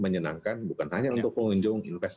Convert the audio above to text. menyenangkan bukan hanya movies